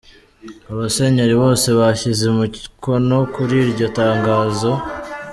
Abasenyeri bose bashyize umukono kuri iryo tangazo.